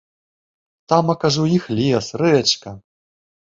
Тамака ж у іх лес, рэчка.